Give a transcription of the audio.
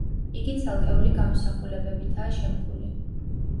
იგი ცალკეული გამოსახულებებითაა შემკული.